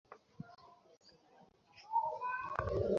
আমি ওকে খুন করিনি!